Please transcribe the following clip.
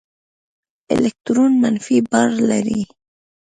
الکترون منفي بار لري.